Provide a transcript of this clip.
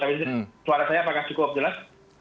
tapi suara saya apakah cukup jelas